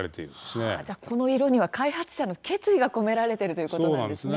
この色には開発者の決意が込められているということなんですね。